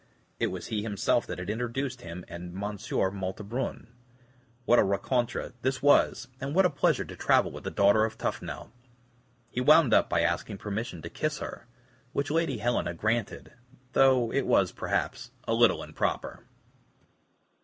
It was he himself that had introduced him and M. Malte Brun. What a rencontre this was, and what a pleasure to travel with the daughter of Tuffnell. He wound up by asking permission to kiss her, which Lady Helena granted, though it was, perhaps, a little improper.